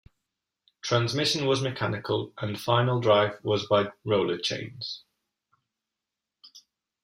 Transmission was mechanical and final drive was by roller chains.